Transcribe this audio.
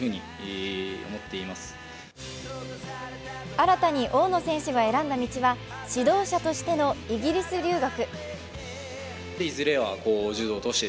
新たに大野選手が選んだ道は指導者としてのイギリス留学。